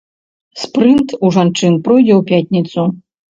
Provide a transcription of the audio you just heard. Спрынт у жанчын пройдзе ў пятніцу.